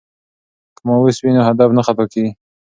که ماوس وي نو هدف نه خطا کیږي.